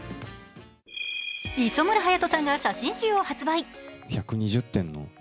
磯村勇斗さんが写真集を発売。